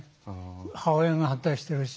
母親が反対してるし。